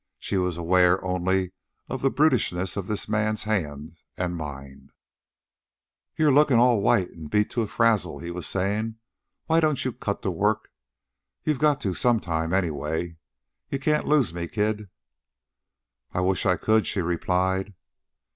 She was aware only of the brutishness of this man's hands and mind. "You're lookin' white an' all beat to a frazzle," he was saying. "Why don't you cut the work? You got to some time, anyway. You can't lose me, kid." "I wish I could," she replied.